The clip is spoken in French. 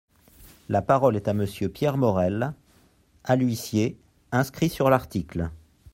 La parole est à Monsieur Pierre Morel-A-L’Huissier, inscrit sur l’article.